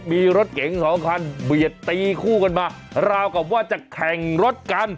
มีรถเก๋งสองคันเบียดตีคู่กันมาราวกับว่าจะแข่งรถกัน